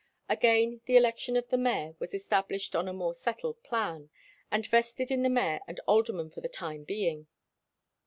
Again, the election of the mayor was established on a more settled plan, and vested in the mayor and aldermen for the time being.